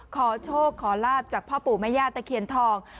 ขอโชคขอลาบจากพ่อปู่แม่ย่าตะเคียนทอง